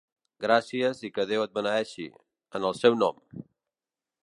Gràcies i que Déu et beneeixi, en el seu nom!